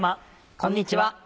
こんにちは。